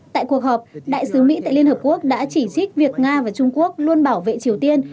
tại cuộc họp đại sứ mỹ tại liên hợp quốc đã chỉ trích việc nga và trung quốc luôn bảo vệ triều tiên